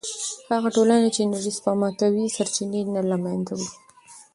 هغه ټولنه چې انرژي سپما کوي، سرچینې نه له منځه وړي.